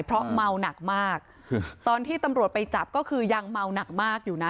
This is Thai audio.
เพราะเมาหนักมากตอนที่ตำรวจไปจับก็คือยังเมาหนักมากอยู่นะ